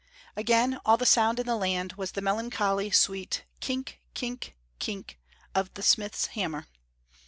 Again all the sound in the land was the melancholy sweet kink, kink, kink of the smith's hammer.